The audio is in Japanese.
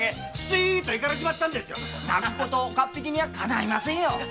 泣く子と岡っ引にはかないませんよ。